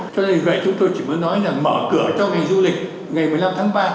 cho nên vậy chúng tôi chỉ mới nói là mở cửa cho ngành du lịch ngày một mươi năm tháng ba